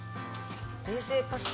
冷製パスタ